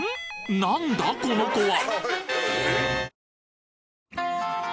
なんだこの子は！？